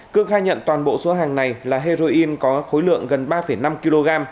cương khai nhận toàn bộ số hàng này là heroin có khối lượng gần ba năm kg